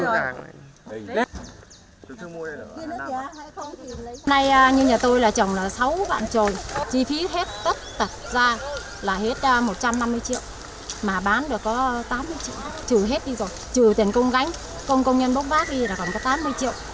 hôm nay như nhà tôi là trồng là sáu vạn trồi chi phí hết tất tật ra là hết một trăm năm mươi triệu mà bán được có tám mươi triệu trừ hết đi rồi trừ tiền công gánh công nhân bốc vác đi là còn có tám mươi triệu